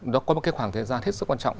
đó có một khoảng thời gian rất quan trọng